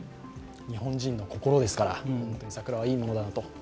日本人の心ですから、桜はいいものだろうと。